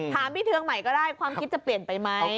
ถามพี่เทืองใหม่ก็ได้ความคิดจะเปลี่ยนไปไหม